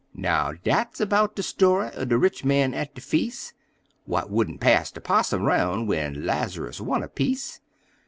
Now, dat's erbout de story er de rich man at de feas', What wouldn't pass de 'possum roun' when Laz'rus want a piece.